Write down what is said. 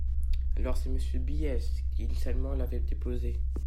…alors que c’est Monsieur Bies qui, initialement, l’avait déposé.